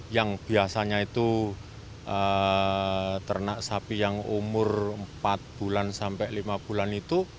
yang biasanya itu ternak sapi yang umur empat bulan sampai lima bulan itu